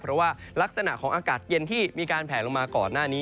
เพราะว่ารักษณะของอากาศเย็นที่มีการแผลลงมาก่อนหน้านี้